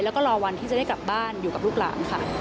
แล้วก็รอวันที่จะได้กลับบ้านอยู่กับลูกหลานค่ะ